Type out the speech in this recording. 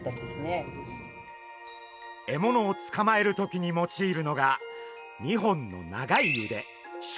獲物をつかまえる時に用いるのが２本の長い腕